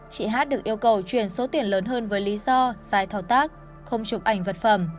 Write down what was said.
chị hát được yêu cầu chuyển số tiền lớn hơn với lý do sai thao tác không chụp ảnh vật phẩm